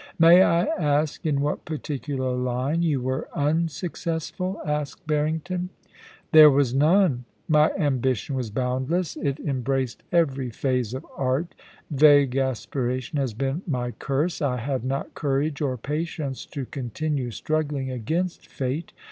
* May I ask in what particular line you were unsuccessful?* asked Barrington. * There was none. My ambition was boundless ; it em braced every phase of art Vague aspiration has been my curse. I had not courage or patience to continue struggling against fate.